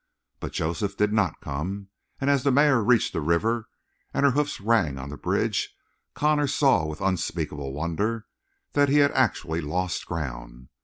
But Joseph did not come, and as the mare reached the river and her hoofs rang on the bridge Connor saw with unspeakable wonder that he had actually lost ground.